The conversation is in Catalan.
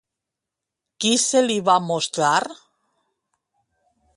Qui se li va mostrar?